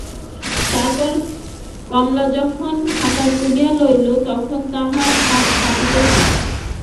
তাহার পর কমলা যখন হাতা তুলিয়া লইল তখন তাহার হাত কাঁপিতেছে।